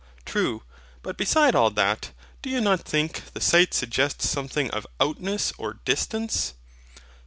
True: but, beside all that, do you not think the sight suggests something of OUTNESS OR DISTANCE?